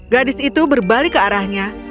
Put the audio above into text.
gadis itu berbalik ke arahnya